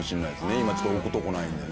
今ちょっと置くとこないんでね。